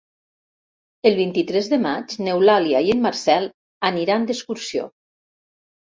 El vint-i-tres de maig n'Eulàlia i en Marcel aniran d'excursió.